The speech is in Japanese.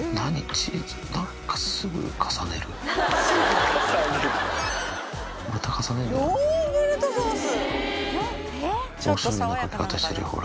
チーズ？ヨーグルトソース！